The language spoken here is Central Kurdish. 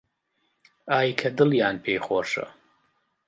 ئای کە دڵیان پێی خۆشە